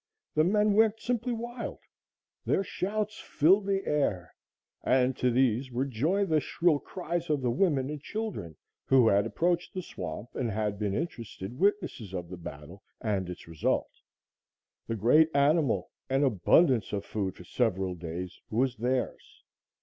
The men went simply wild. Their shouts filled the air, and to these were joined the shrill cries of the women and children who had approached the swamp and had been interested witnesses of the battle and its result. The great animal an abundance of food for several days was theirs.